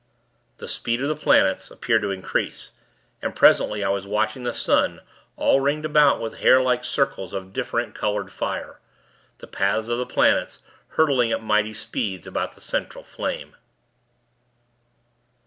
The speed of the planets, appeared to increase; and, presently, I was watching the sun, all ringed about with hair like circles of different colored fire the paths of the planets, hurtling at mighty speed, about the central flame....